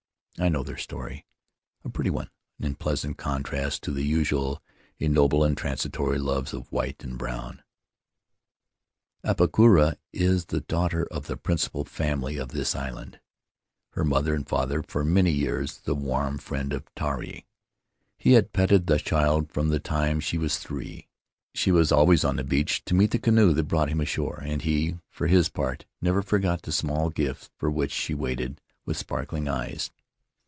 I know their story — a pretty one, in pleasant contrast to the usual ignoble and transitory loves of white and The Land of Ahu Ahu brown. Apakura is the daughter of the principal family of this island — her mother and father for many years the warm friend of Tari. He had petted the child from the time she was three; she was always on the beach to meet the canoe that brought him ashore, and he, for his part, never forgot the small gifts for which she waited with sparkling eyes.